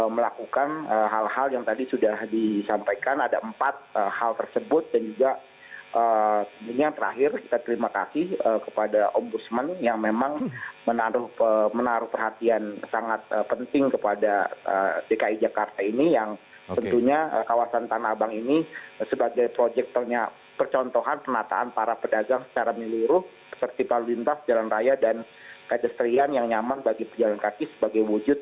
melakukan hal hal yang tadi sudah disampaikan ada empat hal tersebut dan juga yang terakhir kita terima kasih kepada ombudsman yang memang menaruh perhatian sangat penting kepada dki jakarta ini yang tentunya kawasan tanah abang ini sebagai proyek terkena percontohan penataan para pedagang secara meliru sertifal lintas jalan raya dan kajestrian yang nyaman bagi pejalan kaki sebagai wujud pelayanan publik